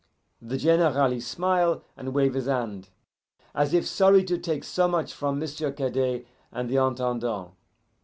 "The General, he smile and wave his hand, as if sorry to take so much from M'sieu' Cadet and the Intendant.